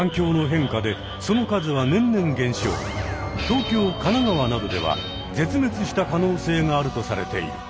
東京神奈川などでは絶滅した可能性があるとされている。